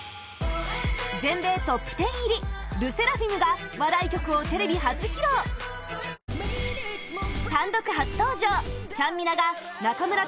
全米トップ１０入りＬＥＳＳＥＲＡＦＩＭが話題曲をテレビ初披露チキンラーメン。